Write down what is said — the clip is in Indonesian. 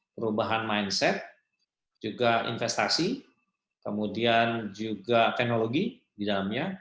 perubahan mindset juga investasi kemudian juga teknologi di dalamnya